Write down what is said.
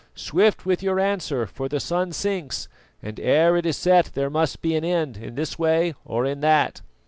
Swift with your answer; for the sun sinks, and ere it is set there must be an end in this way or in that."